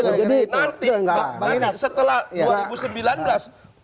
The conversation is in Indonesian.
nanti setelah dua ribu sembilan belas pak prabowo jadi presiden